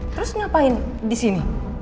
terus ngapain di sini